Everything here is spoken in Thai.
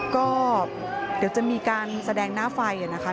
ก็เดี๋ยวจะมีการแสดงหน้าไฟนะคะ